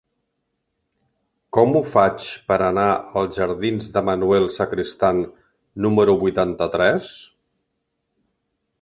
Com ho faig per anar als jardins de Manuel Sacristán número vuitanta-tres?